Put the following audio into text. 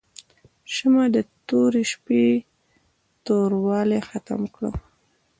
شمعه د تورې شپې توروالی ختم کړ.